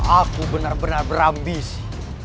aku benar benar berambisi